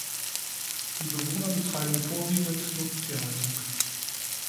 Die Bewohner betreiben vorwiegend Nutztierhaltung.